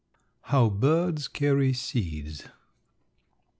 _ HOW BIRDS CARRY SEEDS.